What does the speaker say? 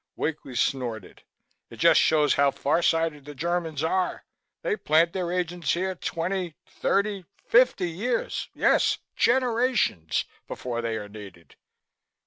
Wakely snorted. "It just shows how far sighted the Germans are. They plant their agents here twenty thirty fifty years yes, generations before they are needed.